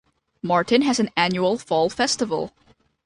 Martin has an annual "Fall Festival".